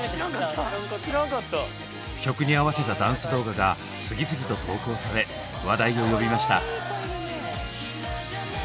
曲に合わせたダンス動画が次々と投稿され話題を呼びました。